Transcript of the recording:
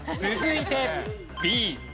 続いてＢ。